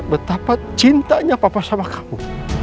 betapa cintanya papa sama kamu